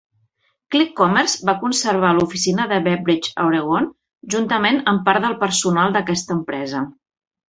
Click Commerce va conservar l'oficina de Webridge a Oregon juntament amb part del personal d'aquesta empresa.